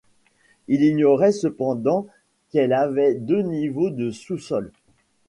Il ignorait cependant qu’elle avait deux niveaux de sous-sol.